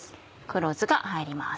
黒酢が入ります。